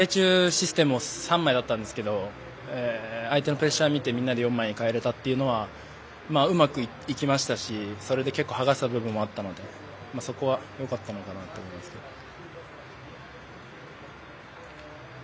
あとやっぱり、試合中システムを３枚だったんですけど相手のプレッシャーを見てみんなで４枚に変えれたのはうまくいきましたしそれで結構はがせた部分もあったのでそこはよかったのかなと思いますけど。